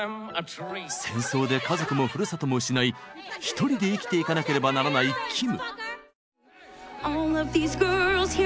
戦争で家族もふるさとも失い一人で生きていかなければならないキム。